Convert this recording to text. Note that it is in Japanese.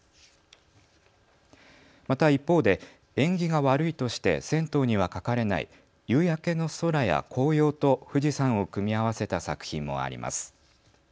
また一方で縁起が悪いとして銭湯には描かれない夕焼けの空や紅葉と富士山を組み合わせた作品もあります。